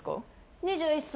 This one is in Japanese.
２１歳。